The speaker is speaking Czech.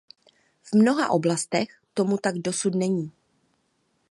V mnoha oblastech tomu tak dosud není.